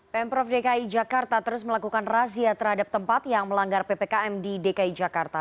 pemprov dki jakarta terus melakukan razia terhadap tempat yang melanggar ppkm di dki jakarta